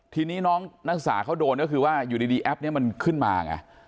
ทีนี้น้องนักศึกษาเขาโดนก็คือว่าอยู่ดีแอปนี้มันขึ้นมาไง